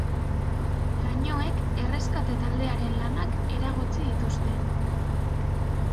Lainoek erreskate taldearen lanak eragotzi dituzte.